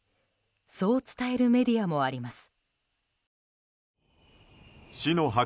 そう伝えるメディアもあります。